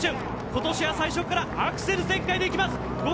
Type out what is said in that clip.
今年は最初からアクセル全開で行きます。